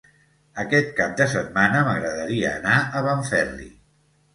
Aquest cap de setmana m'agradaria anar a Benferri.